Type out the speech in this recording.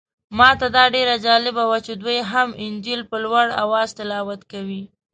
ماته دا ډېر جالبه و چې دوی هم انجیل په لوړ اواز تلاوت کوي.